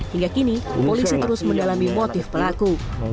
hingga kini polisi terus mendalami motif pelaku